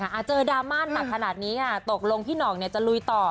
นั่นล่ะค่ะเจอดราม่านตัดขนาดนี้ตกลงพี่หนองจะลุยต่อ